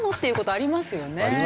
ありますよね。